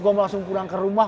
gue mau langsung pulang ke rumah